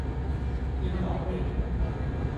ดีเวล๊อปเมนต์